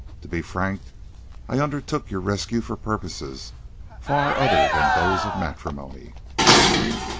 To be frank, I undertook your rescue for purposes far other than those of matrimony."